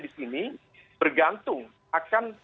di sini bergantung akan